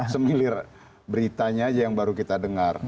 semilir beritanya aja yang baru kita dengar